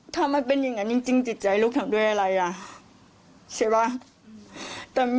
ถ้ามันเป็นอย่างนั้นจริงจิตใจลูกทำด้วยอะไรอ่ะใช่ป่ะ